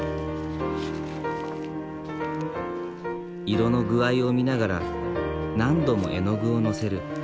色の具合を見ながら何度も絵の具を載せる。